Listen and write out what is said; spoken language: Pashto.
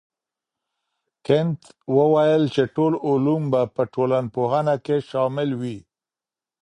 کنت وويل چي ټول علوم به په ټولنپوهنه کي شامل وي.